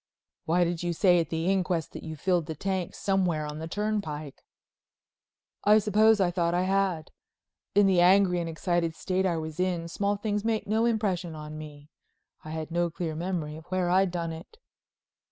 "Why did you say at the inquest that you filled the tank somewhere on the turnpike?" "I suppose I thought I had. In the angry and excited state I was in small things made no impression on me. I had no clear memory of where I'd done it."